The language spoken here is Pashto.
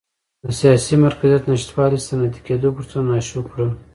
د سیاسي مرکزیت نشتوالي صنعتي کېدو فرصتونه ناشو کړل.